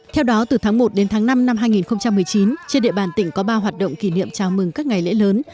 theo đó từ tháng một đến tháng năm năm hai nghìn một mươi chín trên địa bàn tỉnh có ba hoạt động kỷ niệm chào mừng các ngày lễ lớn